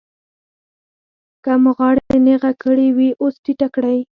که مو غاړه نېغه کړې وي اوس ټیټه کړئ.